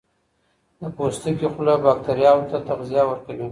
د پوستکي خوله باکتریاوو ته تغذیه ورکوي.